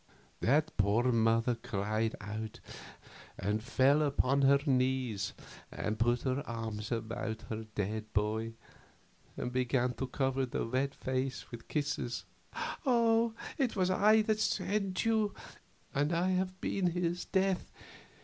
that poor mother cried out, and fell on her knees, and put her arms about her dead boy and began to cover the wet face with kisses. "Oh, it was I that sent him, and I have been his death.